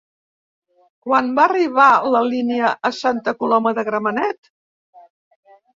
Quan va arribar la línia a Santa Coloma de Gramenet?